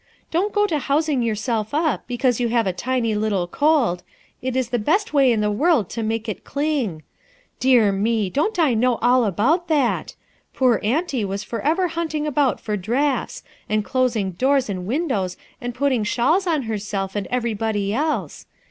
Don't go to housing yourself up because you have a tiny little cold; it is the best way in the world to make it cling. Dear me I don't I know all about that? Poor auntie was forever hunting about for draughts, and closing doors and win dows and putting shawls on herself and every body else.